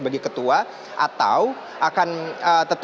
apakah ketua kpu hashim ashari akan digantikan